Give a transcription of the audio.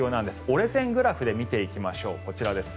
折れ線グラフで見ていきましょう。